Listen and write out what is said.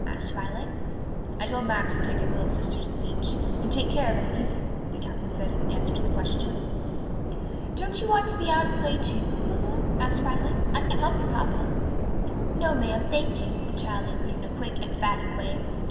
asked Violet. "I told Max to take his little sister to the beach, and take care of and amuse her," the captain said in answer to the question. "Don't you want to be out at play, too, Lulu?" asked Violet. "I can help your papa." "No, ma'am, thank you," the child answered in a quick, emphatic way.